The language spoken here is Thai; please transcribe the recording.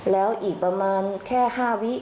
แล้วอีกประมาณแค่๕วิ